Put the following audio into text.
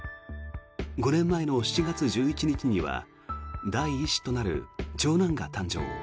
５年前の７月１１日には第１子となる長男が誕生。